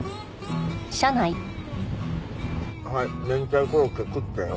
はい明太コロッケ食ったよ。